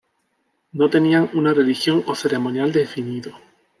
No tenían una religión o ceremonial definido.